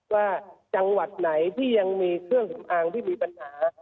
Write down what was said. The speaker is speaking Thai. ว่าจังหวัดไหนที่ยังมีเครื่องสำอางที่มีปัญหา